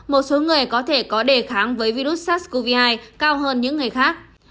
một số người có thể có đề kháng với virus sars cov hai cao hơn những người khác